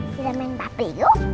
silahkan main bubble yuk